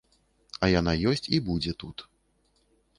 А яна ёсць і будзе тут.